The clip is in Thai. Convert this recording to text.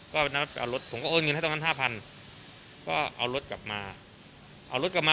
ก็นัดเอารถผมก็โอนเงินให้ตรงนั้นห้าพันก็เอารถกลับมาเอารถกลับมา